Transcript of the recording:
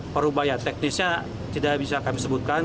perubaya teknisnya tidak bisa kami sebutkan